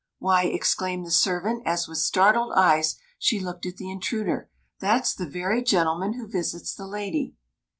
"Why," exclaimed the servant, as with startled eyes she looked at the intruder, "that's the very gentleman who visits the lady!"